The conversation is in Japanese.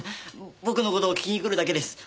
僕の事を聞きに来るだけです。